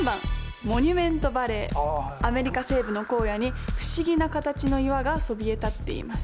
アメリカ西部の荒野に不思議な形の岩がそびえ立っています。